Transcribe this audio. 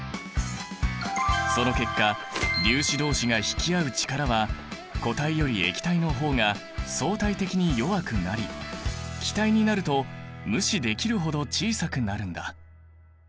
その結果粒子どうしが引き合う力は固体より液体の方が相対的に弱くなり気体になると無視できるほど小さくなるんだ。